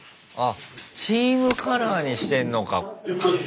チームカラーにしてんのか。